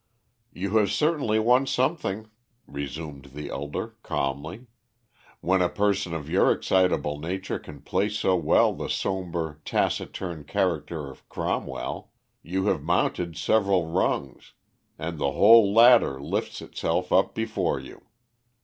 "You have certainly won something," resumed the elder calmly, "when a person of your excitable nature can play so well the sombre, taciturn character of Cromwell. You have mounted several rungs, and the whole ladder lifts itself up before you.